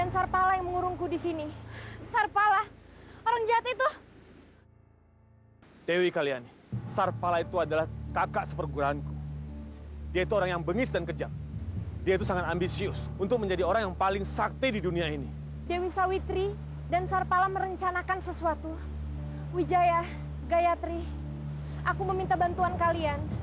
sampai jumpa di video selanjutnya